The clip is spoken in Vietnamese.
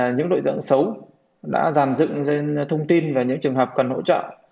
những đội dưỡng xấu đã dàn dựng thông tin về những trường hợp cần hỗ trợ